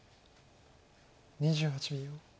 ２８秒。